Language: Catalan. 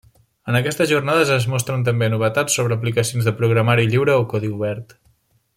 En aquestes jornades es mostren també novetats sobre aplicacions de programari lliure o codi obert.